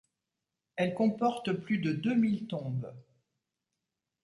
Elle comporte plus de deux mille tombes.